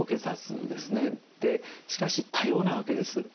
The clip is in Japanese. しかし多様なわけです。